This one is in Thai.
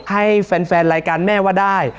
ให้แฟนรายการแม่ว่าได้